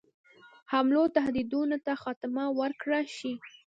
حملو تهدیدونو ته خاتمه ورکړه شي.